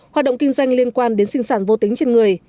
hoạt động kinh doanh liên quan đến sinh sản vô tính trên người